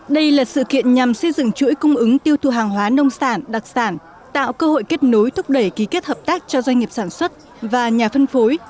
đây là sự kiện nhằm xây dựng chuỗi cung ứng tiêu thụ hàng hóa nông sản đặc sản tạo cơ hội kết nối thúc đẩy ký kết hợp tác cho doanh nghiệp sản xuất và nhà phân phối